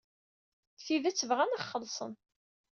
Deg tidet, bɣan ad aɣ-xellṣen.